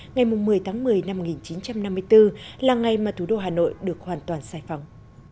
ngày một mươi tháng một mươi năm một nghìn chín trăm năm mươi bốn là ngày mà thủ đô hà nội được hoàn toàn sai phóng